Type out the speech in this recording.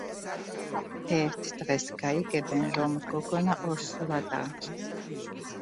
ერთ დღეს, გაიგებენ რომ გოგონა ორსულადაა.